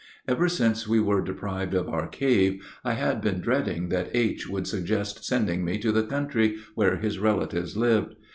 Ever since we were deprived of our cave, I had been dreading that H. would suggest sending me to the country, where his relatives lived.